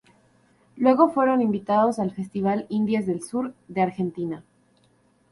Luego fueron invitados al festival "Indies del Sur" de Argentina.